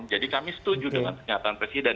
jadi kami setuju dengan pernyataan presiden